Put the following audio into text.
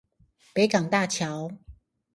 北港大橋